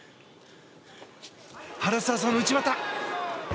原沢さんの内股。